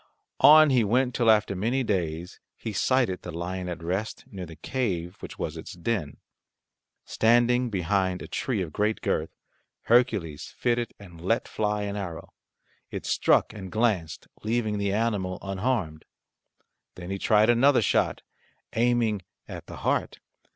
On he went till after many days he sighted the lion at rest near the cave which was its den. Standing behind a tree of great girth, Hercules fitted and let fly an arrow. It struck and glanced, leaving the animal unharmed. Then he tried another shot, aiming at the heart.